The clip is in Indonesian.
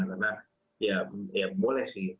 karena ya boleh sih